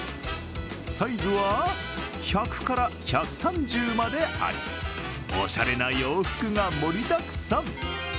サイズは１００から１３０までありおしゃれな洋服が盛りだくさん。